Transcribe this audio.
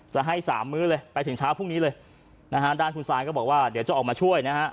จะให้สามมื้อเลยไปถึงเช้าพรุ่งนี้เลยนะฮะด้านคุณซายก็บอกว่าเดี๋ยวจะออกมาช่วยนะฮะ